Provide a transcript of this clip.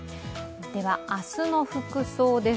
明日の服装です。